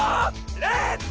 レッツ！